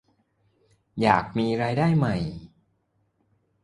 อยากมีรายได้ใหม่